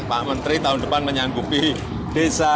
pak menteri tahun depan menyanggupi desa